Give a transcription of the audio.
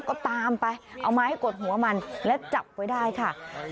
ก็ตามไปเอาไม้กดหัวมันและจับไว้ได้ค่ะ